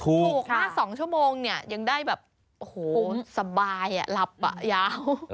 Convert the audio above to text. ถูกมาก๒ชั่วโมงเนี่ยยังได้แบบโอ้โหสบายหลับยาว